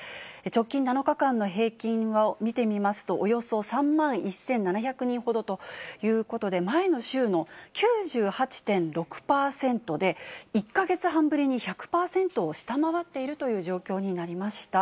直近７日間の平均を見てみますと、およそ３万１７００人ほどということで、前の週の９８．６％で、１か月半ぶりに１００％を下回っているという状況になりました。